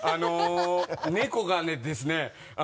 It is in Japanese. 猫がですね。